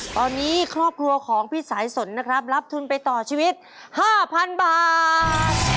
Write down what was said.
ตอนนี้ครอบครัวของพี่สายสนนะครับรับทุนไปต่อชีวิต๕๐๐๐บาท